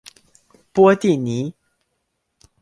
波蒂尼。